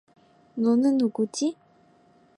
너는 누구지?